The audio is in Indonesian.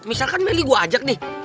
misalkan meli gue ajak nih